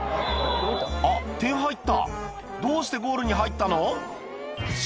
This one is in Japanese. あっ点入ったどうしてゴールに入ったの？